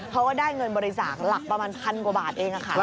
เขาก็ได้เงินบริจาคหลักประมาณ๑๐๐๐กว่าบาทเอง